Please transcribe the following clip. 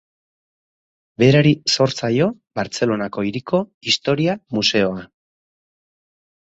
Berari zor zaio Bartzelonako Hiriko Historia Museoa.